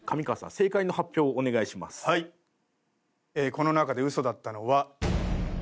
この中で嘘だったのは。